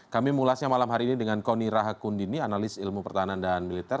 kami mulasnya malam hari ini dengan kony rahakundini analis ilmu pertahanan dan militer